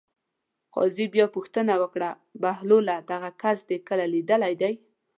قاضي بیا پوښتنه وکړه: بهلوله دغه کس دې کله لیدلی دی.